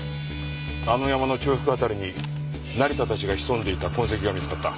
あの山の中腹辺りに成田たちが潜んでいた痕跡が見つかった。